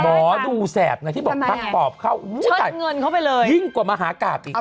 หมอดูแสบนะที่บอกพักปอบเข้าจ่ายเงินเข้าไปเลยยิ่งกว่ามหากราบอีก